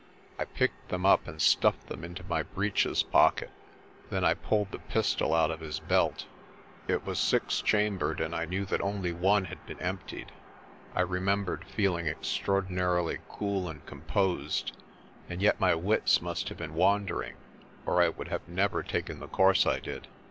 I picked them up and stuffed them into my breeches pocket. Then I pulled the pistol out of his belt. It was six chambered, and I knew that only one had been emptied. I remembered feeling extraordinarily cool and composed, and yet my wits must have been wandering or I would have never taken the course I did.